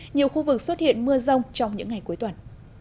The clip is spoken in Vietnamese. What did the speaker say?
nhiều khu vực xuất hiện mưa rông trong những ngày cuối tuần